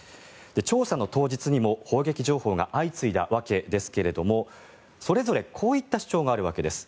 調査の当日にも砲撃の情報が相次いだわけですけどもそれぞれこういった主張があるわけです。